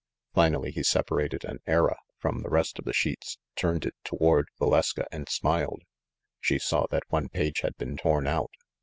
Finally he separated an Era from the rest of the sheets, turned it toward Valeska, and smiled. She saw that one page had been torn out.